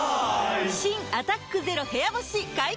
新「アタックＺＥＲＯ部屋干し」解禁‼